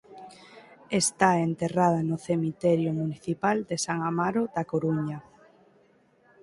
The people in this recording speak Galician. Está enterrada no Cemiterio Municipal de San Amaro da Coruña.